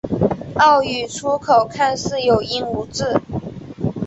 粤语粗口看似有音无字。